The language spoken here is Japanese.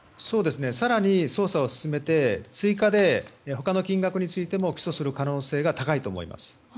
更に捜査を進めて追加で他の金額についても起訴する可能性が高いと思います。